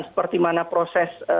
seperti mana proses